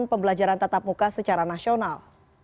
pembelajaran tatap muka secara nasional